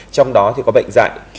trong đó thì có bệnh dạy